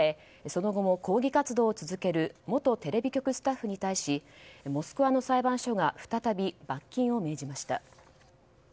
その後も抗議活動を続ける元テレビ局スタッフに対しモスクワの裁判所が再び罰金を命じました。